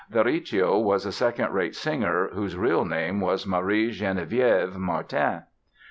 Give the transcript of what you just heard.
The Recio was a second rate singer, whose real name was Marie Genevieve Martin.